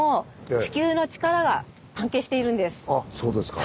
あそうですか。